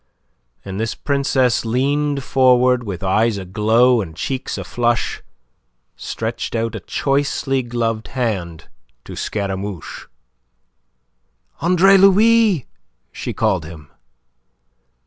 And this princess leaned forward, with eyes aglow and cheeks aflush, stretching out a choicely gloved hand to Scaramouche. "Andre Louis!" she called him.